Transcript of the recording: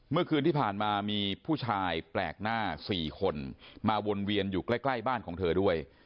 เมื่อคืนที่ผ่านมามีผู้ชายแปลกหน้า๔คนมาวนเวียนอยู่ใกล้บ้านของเธอด้วย